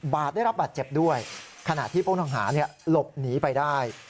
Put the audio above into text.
บาทได้รับบาดเจ็บด้วยขณะที่ผู้ต้องหาหลบหนีไปได้